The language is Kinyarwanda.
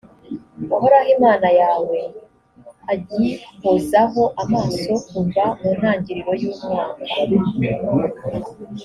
uhoraho imana yawe agihozaho amaso kuva mu ntangiriro y’umwaka